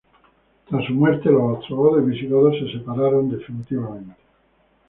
Tras su muerte, los ostrogodos y visigodos se separaron definitivamente.